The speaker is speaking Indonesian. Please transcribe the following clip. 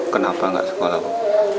kenapa nggak sekolah pak